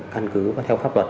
căn cứ có theo pháp luật